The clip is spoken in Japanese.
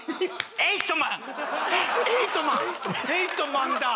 エイト・マンだ！